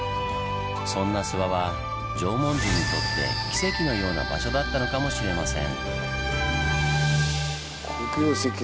そんな諏訪は縄文人にとって奇跡のような場所だったのかもしれません。